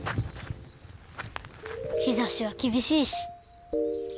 日ざしは厳しいし。